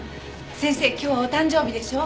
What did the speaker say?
先生今日はお誕生日でしょ？